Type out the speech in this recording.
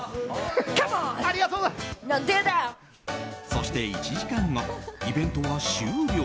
そして１時間後イベントは終了。